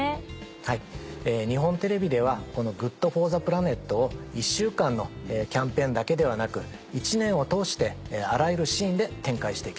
はい日本テレビではこの「ＧｏｏｄＦｏｒｔｈｅＰｌａｎｅｔ」を１週間のキャンペーンだけではなく１年を通してあらゆるシーンで展開して行きます。